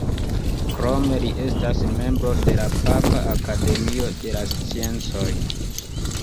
Krome li estas membro de la Papa Akademio de la sciencoj.